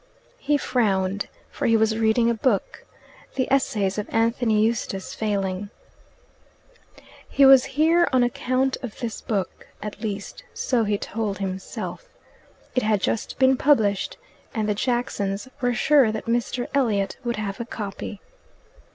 He frowned, for he was reading a book, the Essays of Anthony Eustace Failing. He was here on account of this book at least so he told himself. It had just been published, and the Jacksons were sure that Mr. Elliot would have a copy.